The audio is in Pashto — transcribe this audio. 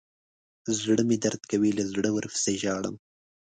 زړه مې درد کوي له زړه ورپسې ژاړم.